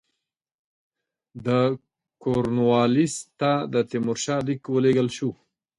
د کورنوالیس ته د تیمورشاه لیک ولېږل شو.